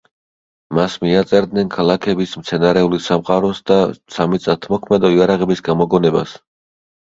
მას მიაწერდნენ ქალაქების მცენარეული სამყაროს და სამიწათმოქმედო იარაღების გამოგონებას.